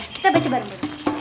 kita baca bareng bareng